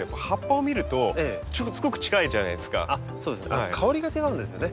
あと香りが違うんですよね。